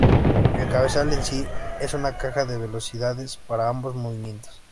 El cabezal en sí, es una caja de velocidades para ambos movimientos.